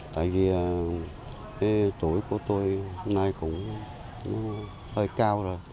tại vì cái tuổi của tôi hôm nay cũng hơi cao rồi